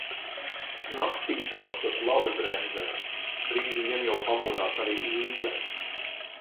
Knakstīšanos tas labi bremzē. Drīz vien jau pamodās arī Īve.